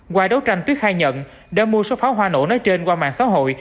qua đấu tranh tuyết khai nhận đã mua số pháo hoa nổ nói trên qua mạng xã hội